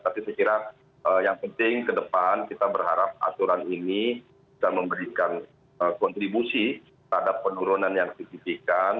tapi saya kira yang penting ke depan kita berharap aturan ini bisa memberikan kontribusi terhadap penurunan yang signifikan